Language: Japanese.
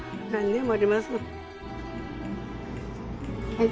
はい。